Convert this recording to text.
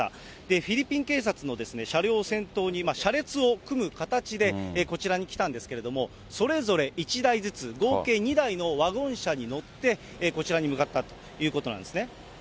フィリピン警察の車両を先頭に、車列を組む形でこちらに来たんですけれども、それぞれ１台ずつ、合計２台のワゴン車に乗って、こちらに向かったということなんですね。